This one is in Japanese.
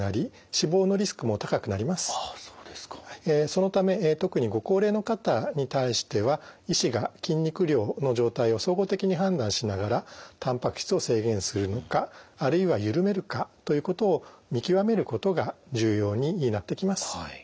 そのため特にご高齢の方に対しては医師が筋肉量の状態を総合的に判断しながらたんぱく質を制限するのかあるいは緩めるかということを見極めることが重要になってきます。